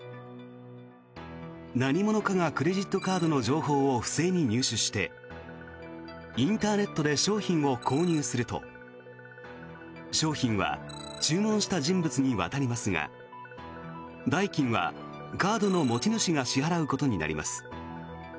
何者かがクレジットカードの情報を不正に入手してインターネットで商品を購入すると商品は注文した人物に渡りますが代金はカードの持ち主が支払うことになります。